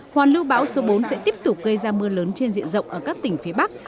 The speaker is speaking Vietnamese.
hoàn lưu bão số bốn sẽ tiếp tục gây ra mưa lớn trên diện rộng ở các tỉnh phía bắc